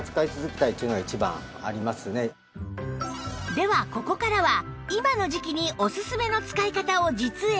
ではここからは今の時季にオススメの使い方を実演